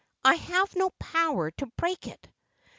I have no power to break it."